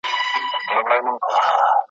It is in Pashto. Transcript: په ازل کي یې لیکلې یو له بله دښمني ده ,